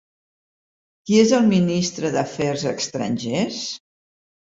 Qui és el ministre d'Afers Estrangers?